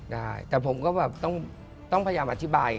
ได้แต่ผมก็แบบต้องพยายามอธิบาย